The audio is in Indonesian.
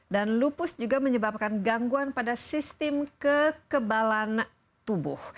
dan lupus juga menyebabkan gangguan pada sistem kekebalan tubuh